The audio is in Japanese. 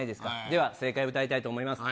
では正解歌いたいと思います